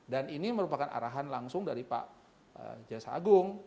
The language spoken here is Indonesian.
dan ini merupakan arahan langsung dari pak jasa agung